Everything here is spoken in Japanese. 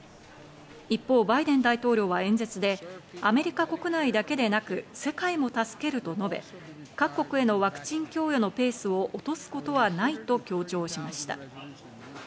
一方、バイデン大統領は演説でアメリカ国内だけでなく世界も助けると述べ、各国へのワクチン供与のペースを落とすことはないと強調しました。